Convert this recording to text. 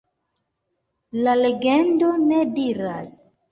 La legendo ne diras.